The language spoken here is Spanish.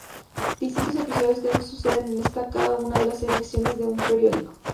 Distintos episodios que suceden en cada una de las secciones de un periódico.